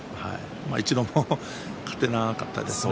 一度も勝てなかったですね。